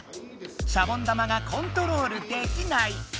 シャボン玉がコントロールできない。